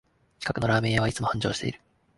近くのラーメン屋はいつも繁盛してる